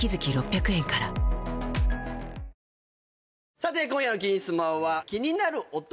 さて今夜の「金スマ」は気になる男